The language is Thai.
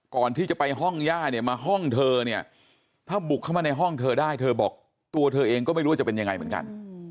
ก่อนที่จะไปห้องย่าเนี่ยมาห้องเธอเนี่ยถ้าบุกเข้ามาในห้องเธอได้เธอบอกตัวเธอเองก็ไม่รู้ว่าจะเป็นยังไงเหมือนกัน